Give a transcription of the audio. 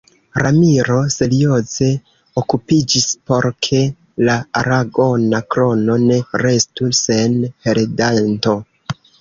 Ramiro serioze okupiĝis por ke la Aragona Krono ne restu sen heredanto.